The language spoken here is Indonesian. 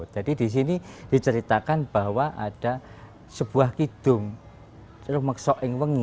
jadi di sini diceritakan bahwa ada sebuah kidung